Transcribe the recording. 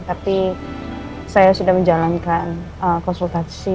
tapi saya sudah menjalankan konsultasi